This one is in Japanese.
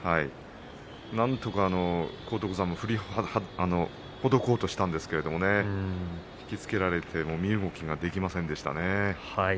なんとか荒篤山も振りほどこうとしたんですけども引き付けられて身動きができませんでしたね。